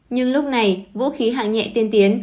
nhưng lúc này vũ khí hạng nhẹ tiên tiến